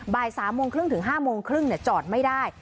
บ่าย๓๓๐ถึง๕๓๐จอดไม่ได้